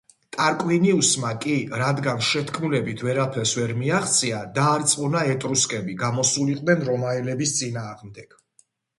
ტარკვინიუსმა კი, რადგან შეთქმულებით ვერაფერს ვერ მიაღწია, დაარწმუნა ეტრუსკები გამოსულიყვნენ რომაელების წინააღმდეგ.